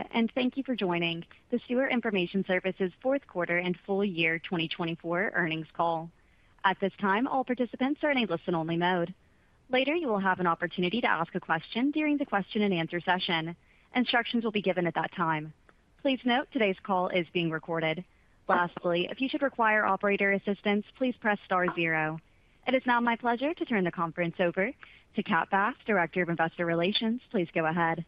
Hello, and thank you for joining the Stewart Information Services Fourth Quarter and Full Year 2024 Earnings Call. At this time, all participants are in a listen-only mode. Later, you will have an opportunity to ask a question during the question-and-answer session. Instructions will be given at that time. Please note today's call is being recorded. Lastly, if you should require operator assistance, please press star zero. It is now my pleasure to turn the conference over to Kat Bass, Director of Investor Relations. Please go ahead.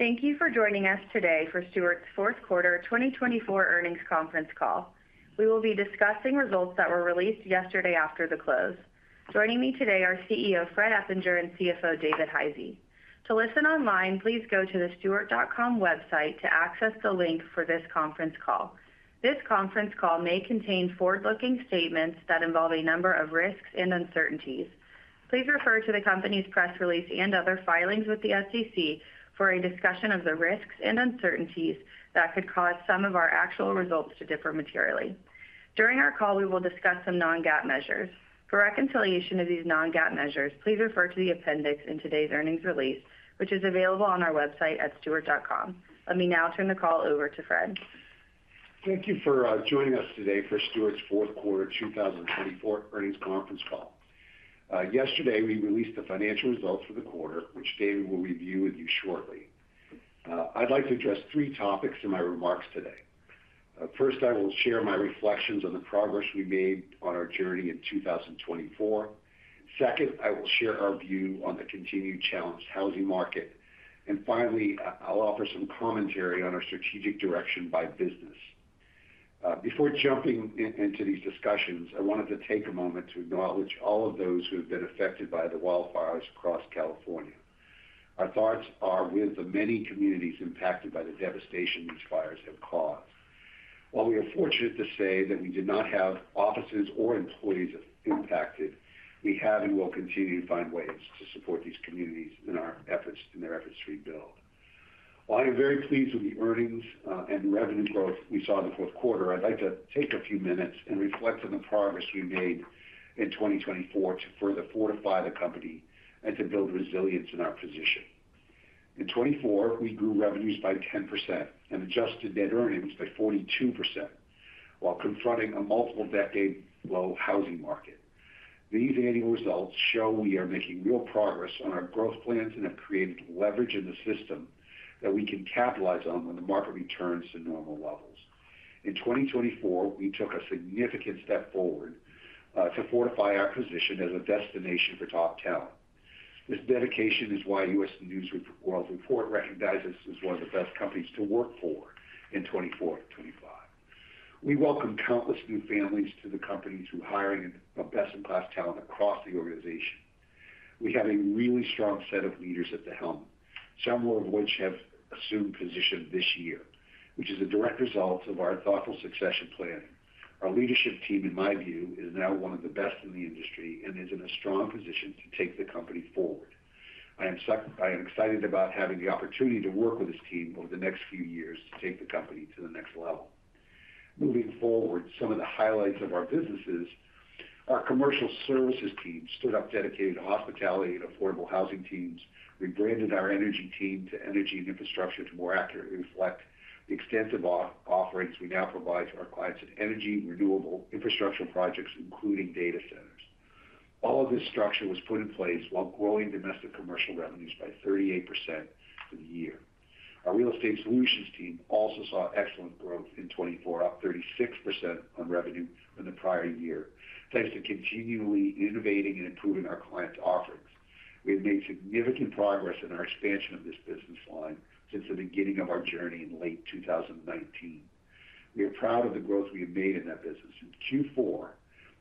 Thank you for joining us today for Stewart's Fourth Quarter 2024 Earnings Conference Call. We will be discussing results that were released yesterday after the close. Joining me today are CEO Fred Eppinger and CFO David Hisey. To listen online, please go to the stewart.com website to access the link for this conference call. This conference call may contain forward-looking statements that involve a number of risks and uncertainties. Please refer to the company's press release and other filings with the SEC for a discussion of the risks and uncertainties that could cause some of our actual results to differ materially. During our call, we will discuss some non-GAAP measures. For reconciliation of these non-GAAP measures, please refer to the Appendix in today's earnings release, which is available on our website at stewart.com. Let me now turn the call over to Fred. Thank you for joining us today for Stewart's Fourth Quarter 2024 Earnings Conference Call. Yesterday, we released the financial results for the quarter, which David will review with you shortly. I'd like to address three topics in my remarks today. First, I will share my reflections on the progress we made on our journey in 2024. Second, I will share our view on the continued challenges in housing market, and finally, I'll offer some commentary on our strategic direction by business. Before jumping into these discussions, I wanted to take a moment to acknowledge all of those who have been affected by the wildfires across California. Our thoughts are with the many communities impacted by the devastation these fires have caused. While we are fortunate to say that we did not have offices or employees impacted, we have and will continue to find ways to support these communities in their efforts to rebuild. While I am very pleased with the earnings and revenue growth we saw in the fourth quarter, I'd like to take a few minutes and reflect on the progress we made in 2024 to further fortify the company and to build resilience in our position. In 2024, we grew revenues by 10% and adjusted net earnings by 42% while confronting a multiple-decade low housing market. These annual results show we are making real progress on our growth plans and have created leverage in the system that we can capitalize on when the market returns to normal levels. In 2024, we took a significant step forward to fortify our position as a destination for top talent. This dedication is why U.S. News & World Report recognizes us as one of the best companies to work for in 2024 and 2025. We welcome countless new families to the company through hiring of best-in-class talent across the organization. We have a really strong set of leaders at the helm, some more of which have assumed positions this year, which is a direct result of our thoughtful succession planning. Our leadership team, in my view, is now one of the best in the industry and is in a strong position to take the company forward. I am excited about having the opportunity to work with this team over the next few years to take the company to the next level. Moving forward, some of the highlights of our businesses: our Commercial Services team stood up dedicated hospitality and affordable housing teams, rebranded our energy team to Energy and Infrastructure to more accurately reflect the extensive offerings we now provide to our clients in energy, renewable, infrastructure projects, including data centers. All of this structure was put in place while growing domestic commercial revenues by 38% for the year. Our Real Estate Solutions team also saw excellent growth in 2024, up 36% on revenue from the prior year, thanks to continually innovating and improving our clients' offerings. We have made significant progress in our expansion of this business line since the beginning of our journey in late 2019. We are proud of the growth we have made in that business. In Q4,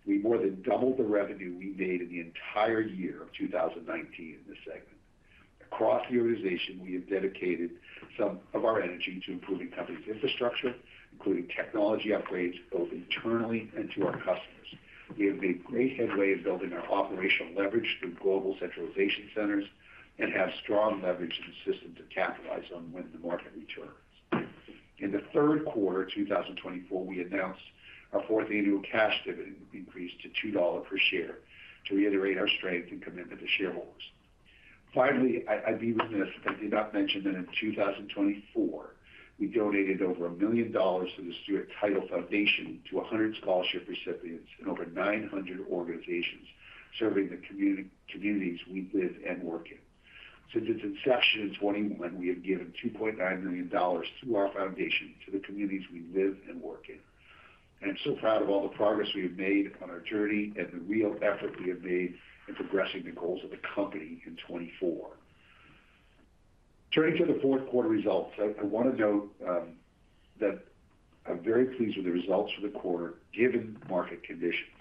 we more than doubled the revenue we made in the entire year of 2019 in this segment. Across the organization, we have dedicated some of our energy to improving the company's infrastructure, including technology upgrades both internally and to our customers. We have made great headway in building our operational leverage through global centralization centers and have strong leverage in the system to capitalize on when the market returns. In the third quarter of 2024, we announced our fourth annual cash dividend increase to $2 per share to reiterate our strength and commitment to shareholders. Finally, I'd be remiss if I did not mention that in 2024, we donated over $1,000,000 million to the Stewart Title Foundation to 100 scholarship recipients and over 900 organizations serving the communities we live and work in. Since its inception in 2021, we have given $2.9 million to our foundation, to the communities we live and work in. I'm so proud of all the progress we have made on our journey and the real effort we have made in progressing the goals of the company in 2024. Turning to the fourth quarter results, I want to note that I'm very pleased with the results for the quarter given market conditions.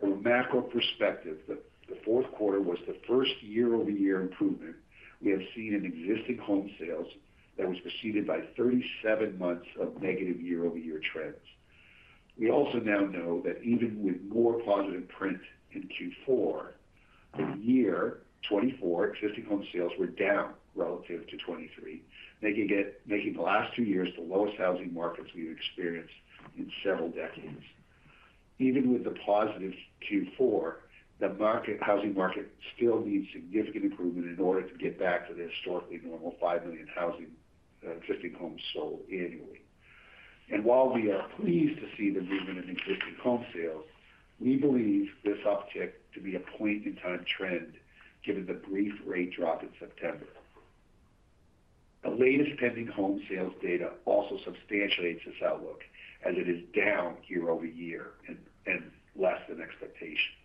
From a macro perspective, the fourth quarter was the first year-over-year improvement we have seen in existing home sales that was preceded by 37 months of negative year-over-year trends. We also now know that even with more positive print in Q4, the year 2024 existing home sales were down relative to 2023, making the last two years the lowest housing markets we've experienced in several decades. Even with the positive Q4, the housing market still needs significant improvement in order to get back to the historically normal 5 million housing existing homes sold annually. While we are pleased to see the movement in existing home sales, we believe this uptick to be a point-in-time trend given the brief rate drop in September. The latest pending home sales data also substantiates this outlook as it is down year-over-year and less than expectations.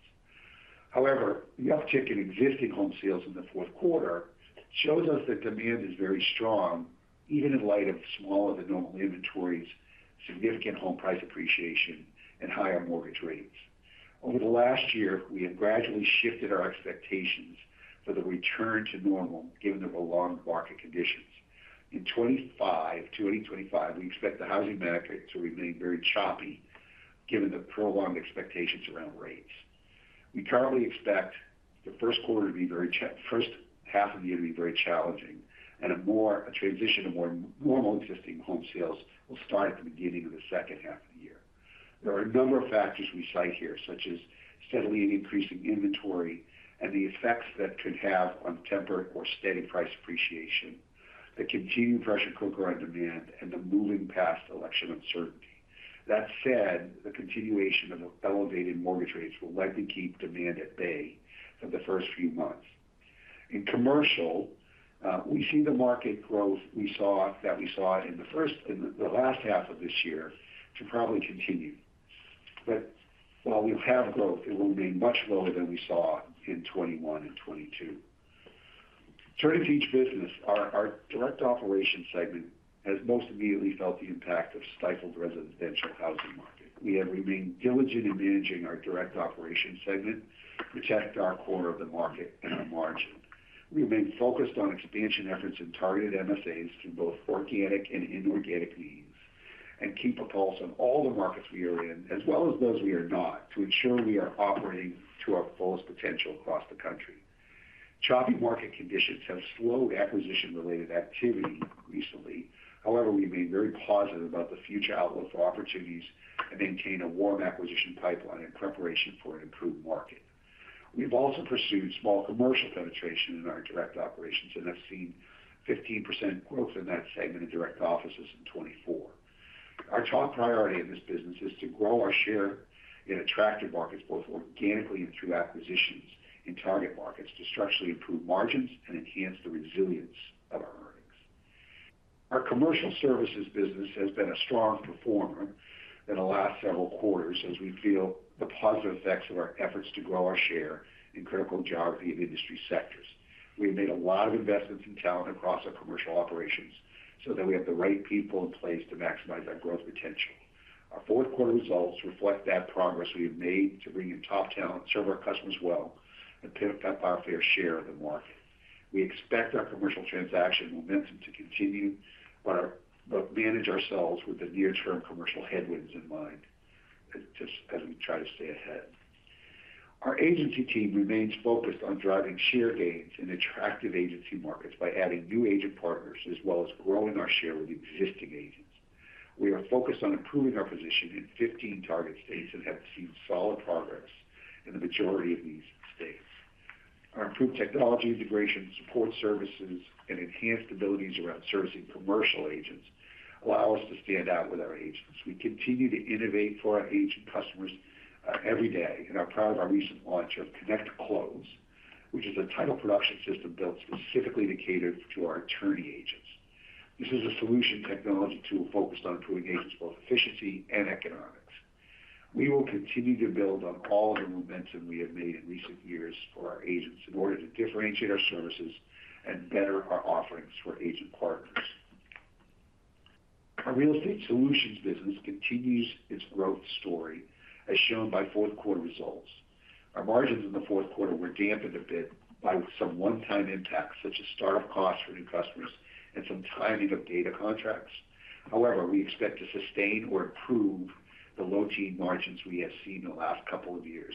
However, the uptick in existing home sales in the fourth quarter shows us that demand is very strong even in light of smaller than normal inventories, significant home price appreciation, and higher mortgage rates. Over the last year, we have gradually shifted our expectations for the return-to-normal given the prolonged market conditions. In 2025, we expect the housing market to remain very choppy given the prolonged expectations around rates. We currently expect the first quarter to be very, first half of the year to be very challenging, and a transition to more normal existing home sales will start at the beginning of the second half of the year. There are a number of factors we cite here, such as steadily increasing inventory and the effects that could have on tempered or steady price appreciation, the continued pressure cooker on demand, and the moving past election uncertainty. That said, the continuation of elevated mortgage rates will likely keep demand at bay for the first few months. In commercial, we see the market growth we saw in the last half of this year to probably continue, but while we'll have growth, it will remain much lower than we saw in 2021 and 2022. Turning to each business, our Direct Operations segment has most immediately felt the impact of stifled residential housing market. We have remained diligent in managing our Direct Operations segment to protect our core of the market and our margin. We have been focused on expansion efforts and targeted MSAs through both organic and inorganic means and keep a pulse on all the markets we are in, as well as those we are not, to ensure we are operating to our fullest potential across the country. Choppy market conditions have slowed acquisition-related activity recently. However, we remain very positive about the future outlook for opportunities and maintain a warm acquisition pipeline in preparation for an improved market. We've also pursued small commercial penetration in our Direct Operations and have seen 15% growth in that segment in direct offices in 2024. Our top priority in this business is to grow our share in attractive markets both organically and through acquisitions in target markets to structurally improve margins and enhance the resilience of our earnings. Our Commercial Services business has been a strong performer in the last several quarters as we feel the positive effects of our efforts to grow our share in critical geographies of industry sectors. We have made a lot of investments in talent across our commercial operations so that we have the right people in place to maximize our growth potential. Our fourth quarter results reflect that progress we have made to bring in top talent, serve our customers well, and pick up our fair share of the market. We expect our commercial transaction momentum to continue but manage ourselves with the near-term commercial headwinds in mind as we try to stay ahead. Our Agency team remains focused on driving share gains in attractive Agency markets by adding new agent partners as well as growing our share with existing agents. We are focused on improving our position in 15 target states and have seen solid progress in the majority of these states. Our improved technology integration, support services, and enhanced abilities around servicing commercial agents allow us to stand out with our agents. We continue to innovate for our agent customers every day and are proud of our recent launch of Connect Close, which is a title production system built specifically to cater to our attorney agents. This is a solution technology tool focused on improving agents' both efficiency and economics. We will continue to build on all of the momentum we have made in recent years for our agents in order to differentiate our services and better our offerings for agent partners. Our Real Estate Solutions business continues its growth story, as shown by fourth quarter results. Our margins in the fourth quarter were dampened a bit by some one-time impacts such as startup costs for new customers and some timing of data contracts. However, we expect to sustain or improve the low-teens margins we have seen in the last couple of years.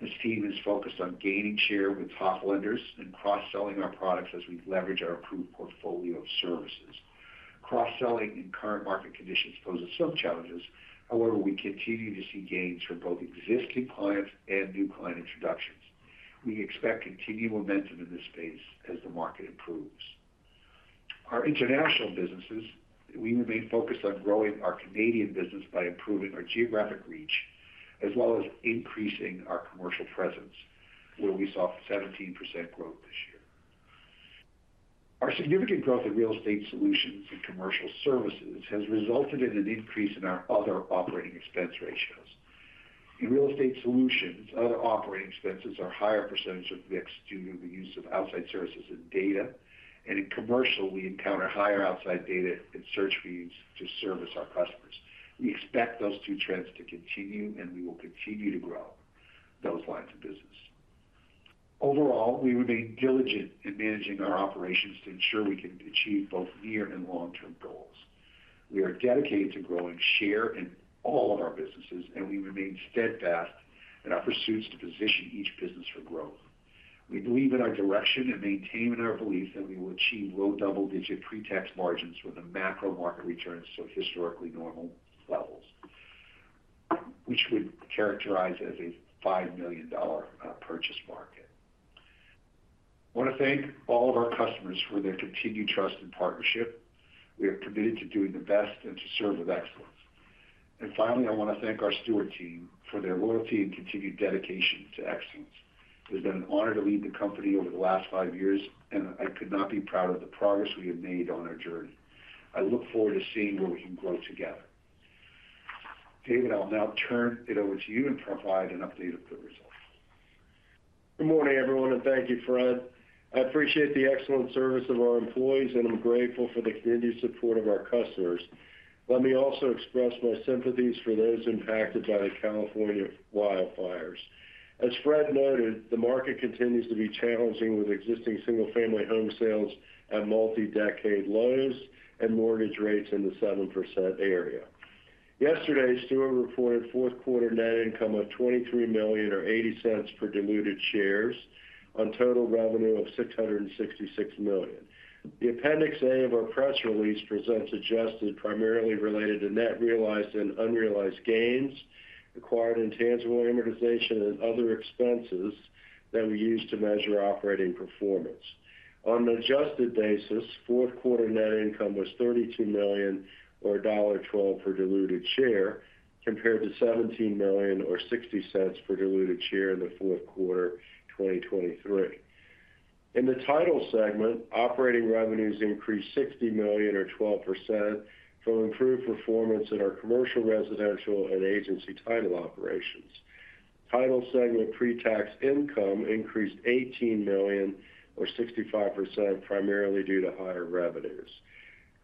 This team is focused on gaining share with top lenders and cross-selling our products as we leverage our approved portfolio of services. Cross-selling in current market conditions poses some challenges. However, we continue to see gains from both existing clients and new client introductions. We expect continued momentum in this space as the market improves. Our international businesses. We remain focused on growing our Canadian business by improving our geographic reach as well as increasing our commercial presence, where we saw 17% growth this year. Our significant growth in Real Estate Solutions and Commercial Services has resulted in an increase in our other operating expense ratios. In Real Estate Solutions, other operating expenses are higher percentage of mix due to the use of outside services and data, and in commercial, we encounter higher outside data and search fees to service our customers. We expect those two trends to continue and we will continue to grow those lines of business. Overall, we remain diligent in managing our operations to ensure we can achieve both near and long-term goals. We are dedicated to growing share in all of our businesses and we remain steadfast in our pursuits to position each business for growth. We believe in our direction and maintain in our belief that we will achieve low double-digit pre-tax margins with the macro market returns to historically normal levels, which would characterize as a $5 million purchase market. I want to thank all of our customers for their continued trust and partnership. We are committed to doing the best and to serve with excellence. And finally, I want to thank our Stewart team for their loyalty and continued dedication to excellence. It has been an honor to lead the company over the last five years and I could not be prouder of the progress we have made on our journey. I look forward to seeing where we can grow together. David, I'll now turn it over to you and provide an update of the results. Good morning, everyone, and thank you, Fred. I appreciate the excellent service of our employees and I'm grateful for the continued support of our customers. Let me also express my sympathies for those impacted by the California wildfires. As Fred noted, the market continues to be challenging with existing single-family home sales at multi-decade lows and mortgage rates in the 7% area. Yesterday, Stewart reported fourth quarter net income of $23 million or $0.80 per diluted share on total revenue of $666 million. The Appendix A of our press release presents adjustments primarily related to net realized and unrealized gains, acquisition intangible amortization, and other expenses that we use to measure operating performance. On an adjusted basis, fourth quarter net income was $32 million or $1.12 per diluted share compared to $17 million or $0.60 per diluted share in the fourth quarter 2023. In the title segment, operating revenues increased $60 million or 12% from improved performance in our Commercial, Residential, and Agency title operations. Title segment pre-tax income increased $18 million or 65% primarily due to higher revenues.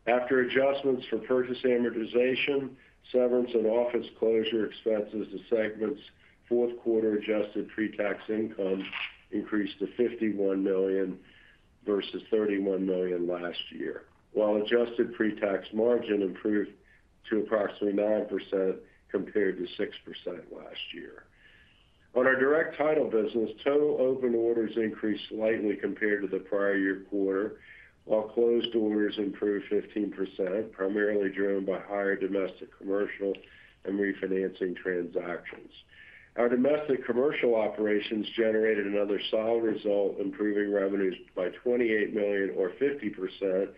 After adjustments for purchase amortization, severance, and office closure expenses, the segment's fourth quarter adjusted pre-tax income increased to $51 million versus $31 million last year, while adjusted pre-tax margin improved to approximately 9% compared to 6% last year. On our direct title business, total open orders increased slightly compared to the prior-year quarter, while closed orders improved 15%, primarily driven by higher domestic commercial and refinancing transactions. Our domestic commercial operations generated another solid result, improving revenues by $28 million or 50%,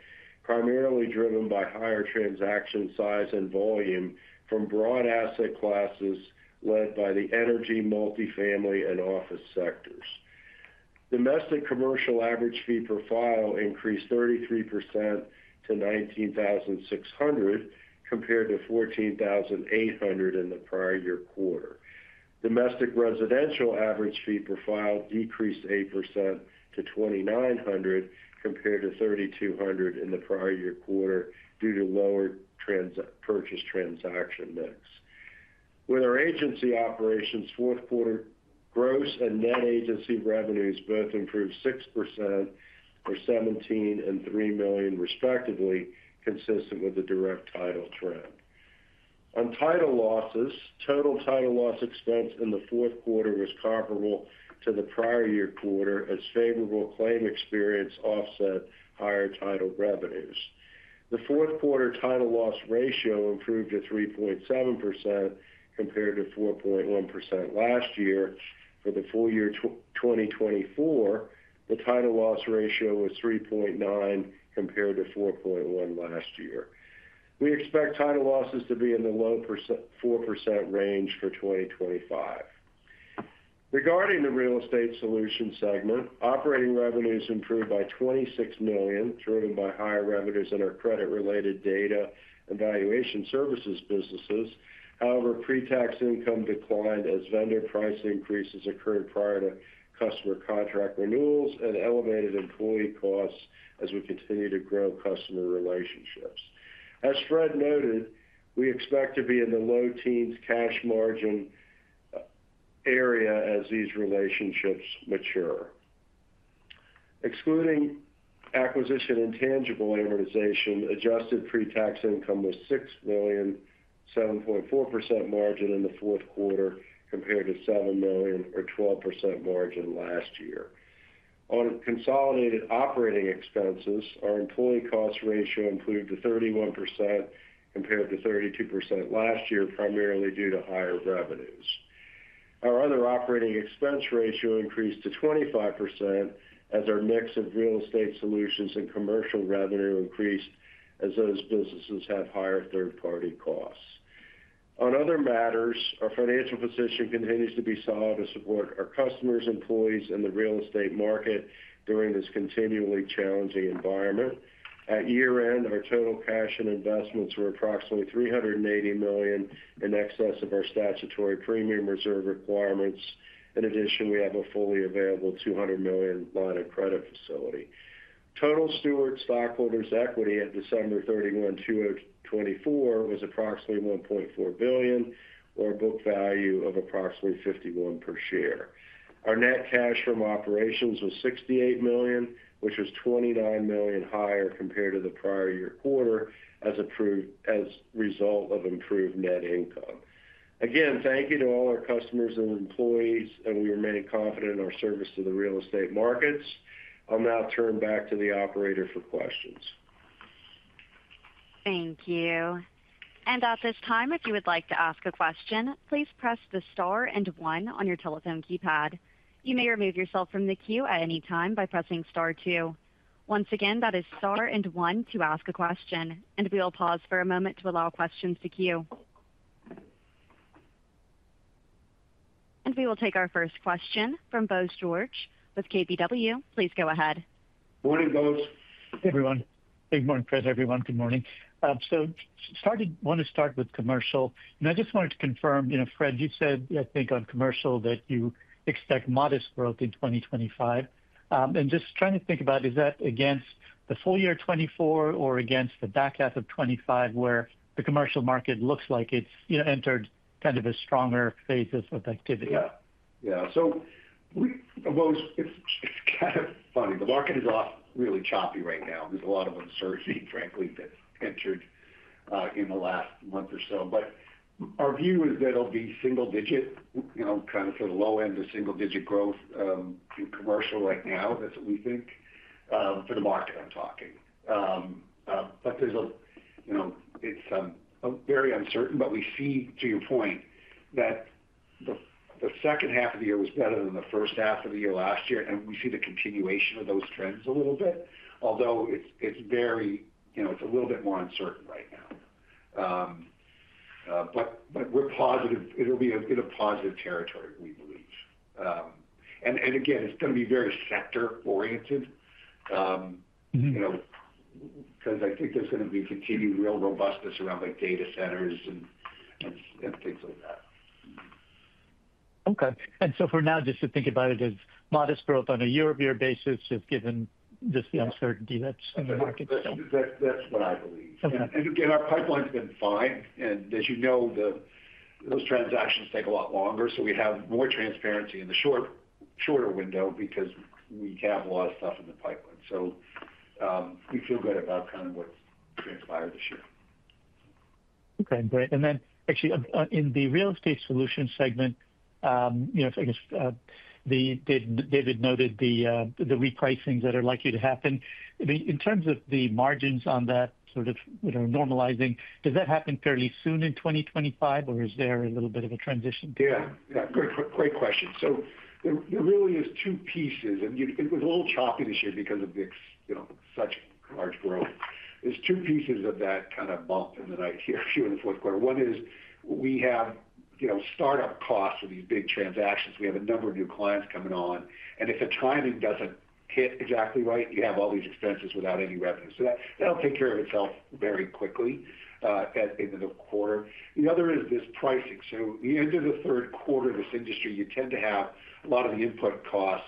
primarily driven by higher transaction size and volume from broad asset classes led by the energy, multifamily, and office sectors. Domestic commercial average fee profile increased 33% to $19,600 compared to $14,800 in the prior-year quarter. Domestic residential average fee profile decreased 8% to $2,900 compared to $3,200 in the prior-year quarter due to lower purchase transaction mix. With our Agency operations, fourth quarter gross and net Agency revenues both improved 6% or $17 million and $3 million, respectively, consistent with the direct title trend. On title losses, total title loss expense in the fourth quarter was comparable to the prior-year quarter as favorable claim experience offset higher title revenues. The fourth quarter title loss ratio improved to 3.7% compared to 4.1% last year. For the full year 2024, the title loss ratio was 3.9% compared to 4.1% last year. We expect title losses to be in the low 4% range for 2025. Regarding the Real Estate Solutions segment, operating revenues improved by $26 million, driven by higher revenues in our credit-related data and valuation services businesses. However, pre-tax income declined as vendor price increases occurred prior to customer contract renewals and elevated employee costs as we continue to grow customer relationships. As Fred noted, we expect to be in the low-teens cash-margin area as these relationships mature. Excluding acquisition intangible amortization, adjusted pre-tax income was $6 million, 7.4% margin in the fourth quarter compared to $7 million or 12% margin last year. On consolidated operating expenses, our employee cost ratio improved to 31% compared to 32% last year, primarily due to higher revenues. Our other operating expense ratio increased to 25% as our mix of Real Estate Solutions and Commercial revenue increased as those businesses have higher third-party costs. On other matters, our financial position continues to be solid to support our customers, employees, and the real estate market during this continually challenging environment. At year-end, our total cash and investments were approximately $380 million in excess of our statutory premium reserve requirements. In addition, we have a fully available $200 million line of credit facility. Total Stewart stockholders' equity at December 31, 2024, was approximately $1.4 billion or a book value of approximately $51 per share. Our net cash from operations was $68 million, which was $29 million higher compared to the prior-year quarter as a result of improved net income. Again, thank you to all our customers and employees, and we remain confident in our service to the real estate markets. I'll now turn back to the operator for questions. Thank you. At this time, if you would like to ask a question, please press the star and one on your telephone keypad. You may remove yourself from the queue at any time by pressing star two. Once again, that is star and one to ask a question. And we'll pause for a moment to allow questions to queue. And we will take our first question from Bose George with KBW. Please go ahead. Morning, Bose. Hey, everyone. Good morning, Fred, everyone. Good morning. So I want to start with commercial. And I just wanted to confirm, Fred, you said, I think, on commercial that you expect modest growth in 2025. And just trying to think about, is that against the full year 2024 or against the back half of 2025 where the commercial market looks like it's entered kind of a stronger phase of activity? Yeah. Yeah. So it's kind of funny. The market is off really choppy right now. There's a lot of uncertainty, frankly, that entered in the last month or so. But our view is that it'll be single-digit, kind of to the low end of single-digit growth in commercial right now. That's what we think for the market I'm talking. But it's very uncertain. But we see, to your point, that the second half of the year was better than the first half of the year last year. And we see the continuation of those trends a little bit, although it's a little bit more uncertain right now. But we're positive. It'll be in a positive territory, we believe. And again, it's going to be very sector-oriented because I think there's going to be continued real robustness around data centers and things like that. Okay. And so for now, just to think about it as modest growth on a year-over-year basis, just given this uncertainty that's in the market. That's what I believe. And again, our pipeline's been fine. And as you know, those transactions take a lot longer. So we have more transparency in the shorter window because we have a lot of stuff in the pipeline. So we feel good about kind of what's transpired this year. Okay. Great. And then actually, in the real estate solution segment, I guess David noted the repricings that are likely to happen. In terms of the margins on that sort of normalizing, does that happen fairly soon in 2025, or is there a little bit of a transition? Yeah. Yeah. Great question. So there really is two pieces. And it was a little choppy this year because of such large growth. There's two pieces of that kind of bump in the night here in the fourth quarter. One is we have startup costs for these big transactions. We have a number of new clients coming on. And if the timing doesn't hit exactly right, you have all these expenses without any revenue. So that'll take care of itself very quickly in the quarter. The other is this pricing. So the end of the third quarter of this industry, you tend to have a lot of the input costs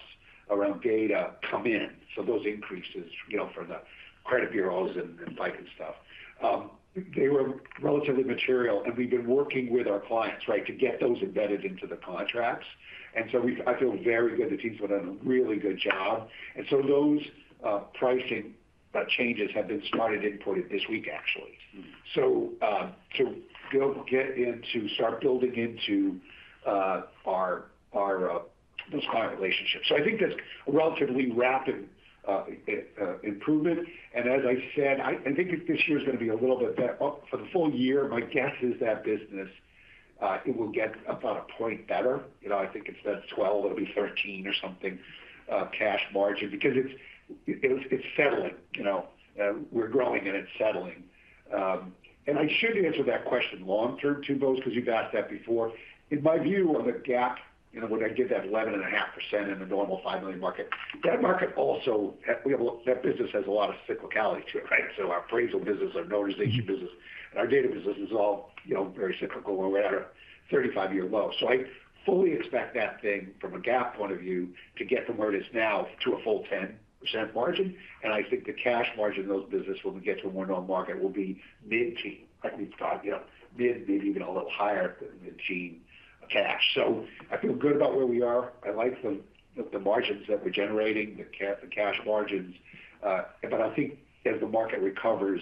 around data come in. So those increases from the credit bureaus and FICO and stuff, they were relatively material. And we've been working with our clients, right, to get those embedded into the contracts. And so I feel very good. The team's done a really good job. Those pricing changes have been started, inputted this week, actually, to start building into those client relationships. So I think that's a relatively rapid improvement. And as I said, I think this year is going to be a little bit better. For the full year, my guess is that business, it will get about a point better. I think instead of 12%, it'll be 13% or something cash margin because it's settling. We're growing and it's settling. And I should answer that question long-term too, Bose, because you've asked that before. In my view of the gap, when I get that 11.5% in the normal 5 million market, that market also, that business has a lot of cyclicality to it, right? So our appraisal business, our notarization business, and our data business is all very cyclical. We're at a 35-year low. So I fully expect that thing from a GAAP point-of-view to get from where it is now to a full 10% margin. And I think the cash margin in those businesses, when we get to a more known market, will be mid-teens, like we've talked about, mid-teens, maybe even a little higher than the teens cash. So I feel good about where we are. I like the margins that we're generating, the cash margins. But I think as the market recovers,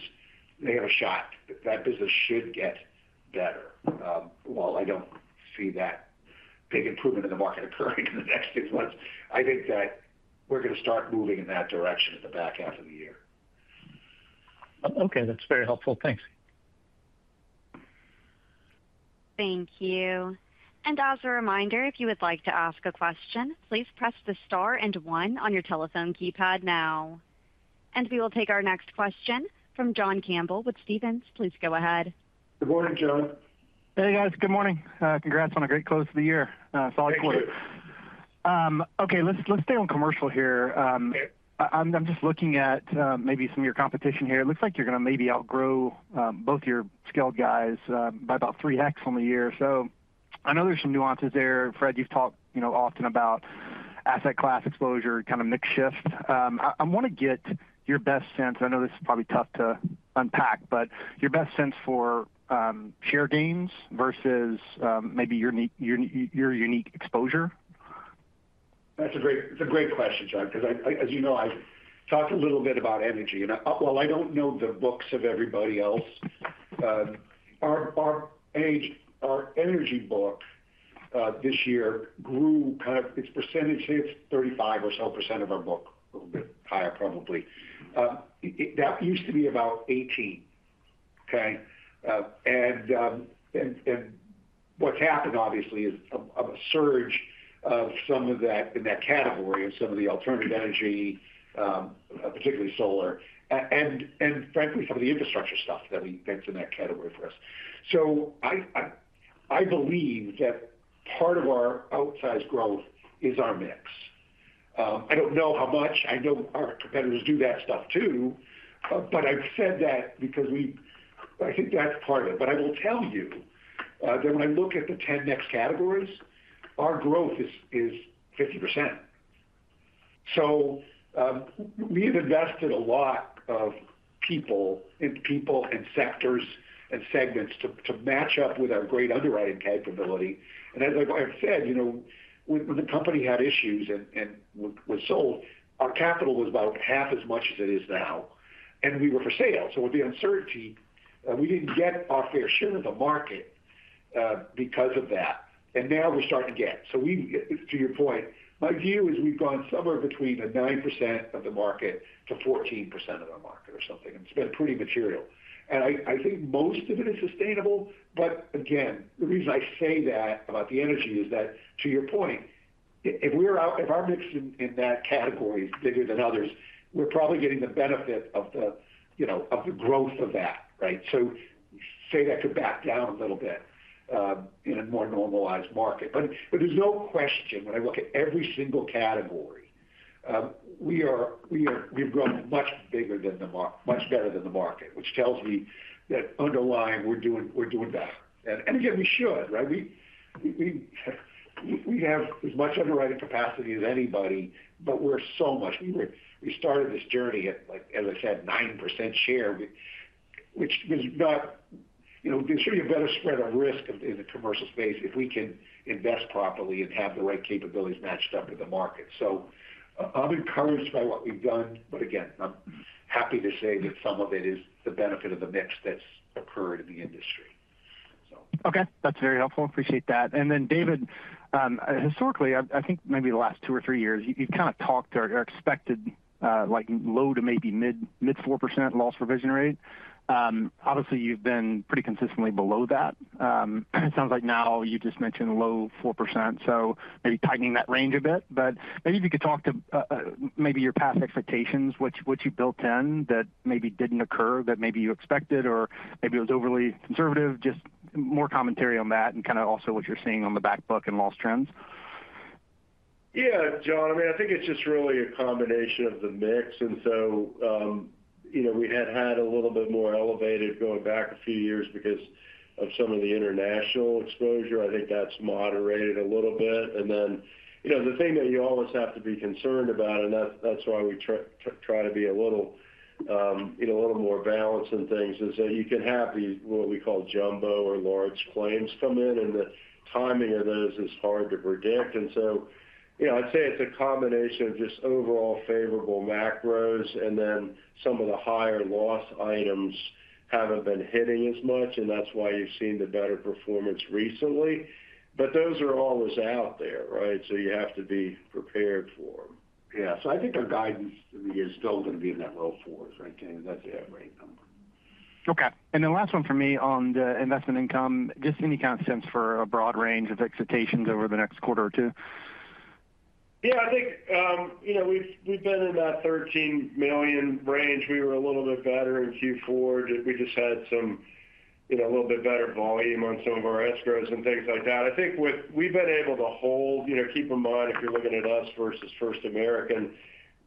they have a shot. That business should get better. While I don't see that big improvement in the market occurring in the next six months, I think that we're going to start moving in that direction in the back half of the year. Okay. That's very helpful. Thanks. Thank you. And as a reminder, if you would like to ask a question, please press the star and one on your telephone keypad now. And we will take our next question from John Campbell with Stephens. Please go ahead. Good morning, John. Hey, guys. Good morning. Congrats on a great close of the year. Solid quarter. Okay. Let's stay on commercial here. I'm just looking at maybe some of your competition here. It looks like you're going to maybe outgrow both your scaled guys by about 3x on the year. So I know there's some nuances there. Fred, you've talked often about asset class exposure, kind of mixed shift. I want to get your best sense. I know this is probably tough to unpack, but your best sense for share gains versus maybe your unique exposure? That's a great question, John, because as you know, I talked a little bit about energy. And while I don't know the books of everybody else, our energy book this year grew kind of its percentage hits, 35% or so of our book, a little bit higher, probably. That used to be about 18%, okay? And what's happened, obviously, is a surge of some of that in that category of some of the alternative energy, particularly solar, and frankly, some of the infrastructure stuff that we fit in that category for us. So I believe that part of our outsized growth is our mix. I don't know how much. I know our competitors do that stuff too. But I've said that because I think that's part of it. But I will tell you that when I look at the 10 next categories, our growth is 50%. So we have invested a lot of people and sectors and segments to match up with our great underwriting capability. And as I've said, when the company had issues and was sold, our capital was about half as much as it is now. And we were for sale. So with the uncertainty, we didn't get our fair share of the market because of that. And now we're starting to get. So to your point, my view is we've gone somewhere between 9%-14% of the market or something. And it's been pretty material. And I think most of it is sustainable. But again, the reason I say that about the energy is that, to your point, if our mix in that category is bigger than others, we're probably getting the benefit of the growth of that, right? So, say that could back down a little bit in a more normalized market. But there's no question when I look at every single category, we have grown much bigger than the market, much better than the market, which tells me that underlying, we're doing better. And again, we should, right? We have as much underwriting capacity as anybody, but we're so much. We started this journey at, as I said, 9% share, which was not. There should be a better spread of risk in the commercial space if we can invest properly and have the right capabilities matched up with the market. So I'm encouraged by what we've done. But again, I'm happy to say that some of it is the benefit of the mix that's occurred in the industry. Okay. That's very helpful. Appreciate that. And then, David, historically, I think maybe the last two or three years, you've kind of talked or expected low- to maybe mid-4% loss provision rate. Obviously, you've been pretty consistently below that. It sounds like now you just mentioned low 4%. So maybe tightening that range a bit. But maybe if you could talk to maybe your past expectations, what you built in that maybe didn't occur that maybe you expected or maybe it was overly conservative, just more commentary on that and kind of also what you're seeing on the backbook and loss trends. Yeah, John. I mean, I think it's just really a combination of the mix. And so we had had a little bit more elevated going back a few years because of some of the international exposure. I think that's moderated a little bit. And then the thing that you always have to be concerned about, and that's why we try to be a little more balanced in things, is that you can have what we call jumbo or large claims come in. And the timing of those is hard to predict. And so I'd say it's a combination of just overall favorable macros, and then some of the higher loss items haven't been hitting as much. And that's why you've seen the better performance recently. But those are always out there, right? So you have to be prepared for them. Yeah. So I think our guidance is still going to be in that low 4%s, right? That's the average number. Okay. And then last one for me on the investment income, just any kind of sense for a broad range of expectations over the next quarter or two? Yeah. I think we've been in that 13 million range. We were a little bit better in Q4. We just had a little bit better volume on some of our escrows and things like that. I think we've been able to hold. Keep in mind, if you're looking at us versus First American,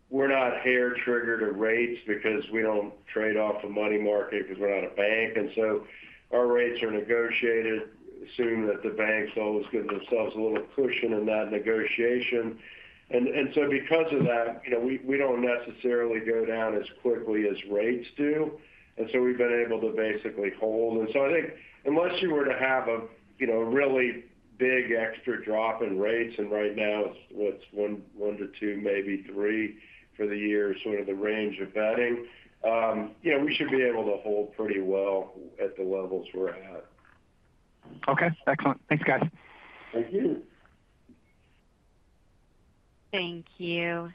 we're not hair-triggered to rates because we don't trade off the money market because we're not a bank. And so our rates are negotiated, assuming that the banks always give themselves a little cushion in that negotiation. And so because of that, we don't necessarily go down as quickly as rates do. And so we've been able to basically hold. And so I think unless you were to have a really big extra drop in rates, and right now it's 1%-2%, maybe three for the year, sort of the range of betting, we should be able to hold pretty well at the levels we're at. Okay. Excellent. Thanks, guys. Thank you. Thank you.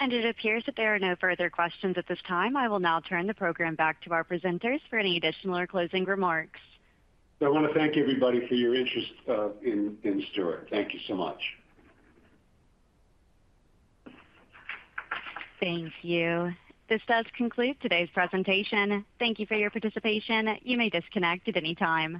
And it appears that there are no further questions at this time. I will now turn the program back to our presenters for any additional or closing remarks. So I want to thank everybody for your interest in Stewart. Thank you so much. Thank you. This does conclude today's presentation. Thank you for your participation. You may disconnect at any time.